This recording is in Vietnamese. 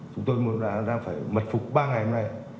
chúng tôi đang phải mật phục ba ngày hôm nay